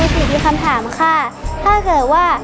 ติมีคำถามค่ะถ้าเกิดว่า